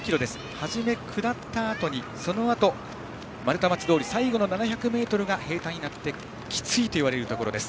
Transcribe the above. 初め下ったあとにそのあと丸太町通最後の７００ｍが平たんになってきついといわれるところです。